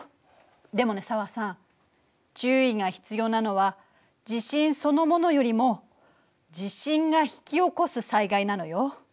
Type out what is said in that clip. でもね紗和さん注意が必要なのは地震そのものよりも地震が引き起こす災害なのよ。